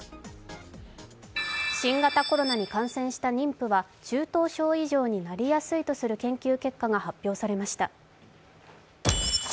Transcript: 新型コロナに感染した妊婦は中等症以上になりやすいとする研究結果が発表されました。